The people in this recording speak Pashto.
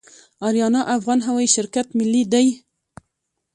اریانا افغان هوایی شرکت ملي دی